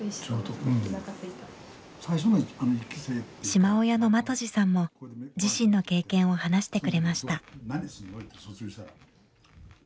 島親の的地さんも自身の経験を話してくれました。